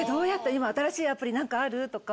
今新しいアプリ何かある？とか。